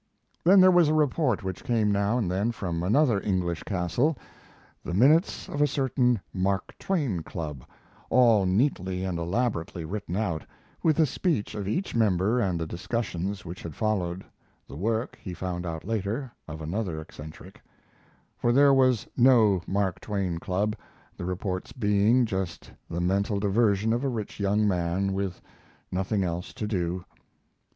Then there was a report which came now and then from another English castle the minutes of a certain "Mark Twain Club," all neatly and elaborately written out, with the speech of each member and the discussions which had followed the work, he found out later, of another eccentric; for there was no Mark Twain Club, the reports being just the mental diversion of a rich young man, with nothing else to do.